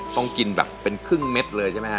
ต้องกินแบบเป็นครึ่งเม็ดเลยใช่ไหมฮะ